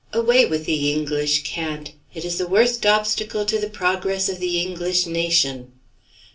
Away with the English cant! it is the worst obstacle to the progress of the English nation!"